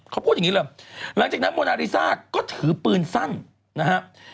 เขาพูดอย่างนี้เลยหลังจากนั้นโมนาริซ่าก็ถือปืนสั้นนะครับ